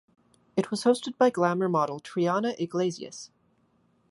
It was hosted by glamour model Triana Iglesias.